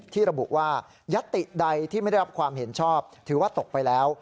ระบุว่ายัตติใดที่ไม่ได้รับความเห็นชอบถือว่าตกไปแล้ว